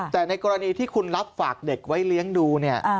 แต่ในกรณีที่คุณรับฝากเด็กไว้เลี้ยงดูเนี่ย